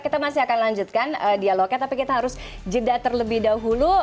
kita masih akan lanjutkan dialognya tapi kita harus jeda terlebih dahulu